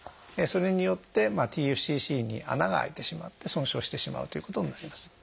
それによってＴＦＣＣに穴があいてしまって損傷してしまうということになります。